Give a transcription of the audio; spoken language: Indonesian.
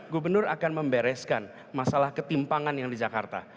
gubernur akan membereskan masalah ketimpangan yang di jakarta